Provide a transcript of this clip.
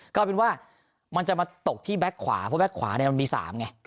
ก็เป็นว่ามันจะมาตกที่แบ็คขวาเพราะแบ้คขวาเนี้ยมันมีสามไง